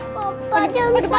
saya lima puluh sembilan tahun epo